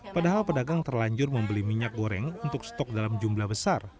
padahal pedagang terlanjur membeli minyak goreng untuk stok dalam jumlah besar